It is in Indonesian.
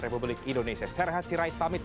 republik indonesia serehat sirait pamit